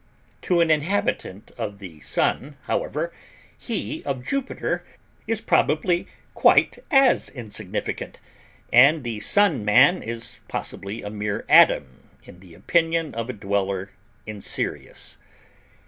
To an inhabitant of the Sun, however, he of Jupiter is probably quite as insignificant, and the Sun man is possibly a mere atom in the opinion of a dweller in Sirius.